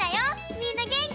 みんなげんき？